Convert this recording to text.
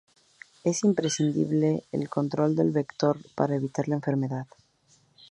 Es imprescindible el control del vector para evitar la enfermedad.